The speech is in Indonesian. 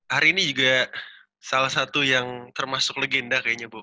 hari ini juga salah satu yang termasuk legenda kayaknya bu